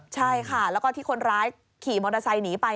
ใช่ค่ะแล้วก็ที่คนร้ายขี่มอเตอร์ไซค์หนีไป